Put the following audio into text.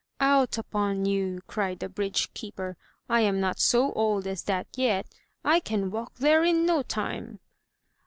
*' "Out upon you!" cried the bridge keeper. "I am not so old as that yet! I can walk there in no time!"